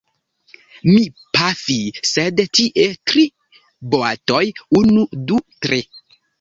Mi pafi, sed tie tri boatoj, unu, du, tri!